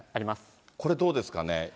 これどうですかね。